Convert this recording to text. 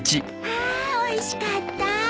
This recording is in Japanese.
あおいしかった。